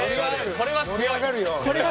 これは強い。